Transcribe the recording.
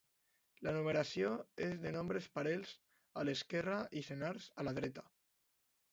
La numeració és de nombres parells a l'esquerra i senars a la dreta.